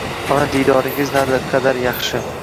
Ona diydoringiz naqadar yaxshi